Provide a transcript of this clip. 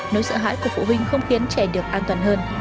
nỗi sợ hãi của phụ huynh không khiến trẻ được an toàn hơn